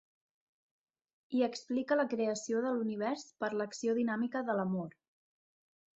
Hi explica la creació de l'univers per l'acció dinàmica de l'amor.